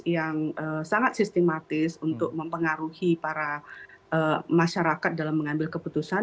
yang sangat sistematis untuk mempengaruhi para masyarakat dalam mengambil keputusan